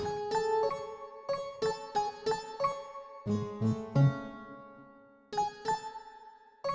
iogu tolong dibantuin yo